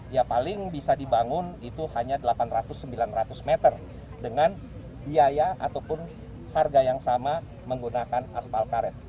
ya paling bisa dibangun itu hanya delapan ratus sembilan ratus meter dengan biaya ataupun harga yang sama menggunakan aspal karet